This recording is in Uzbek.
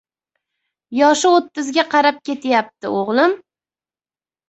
Yoshi o‘ttizga qarab ketyap- ti, o‘g‘lim!